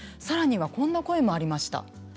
さらにこんな声もありました。